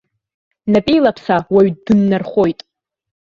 Напеилаԥса уаҩ дыннархоит!